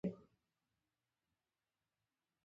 بیزو کله کله د خلکو سره دوستانه چلند کوي.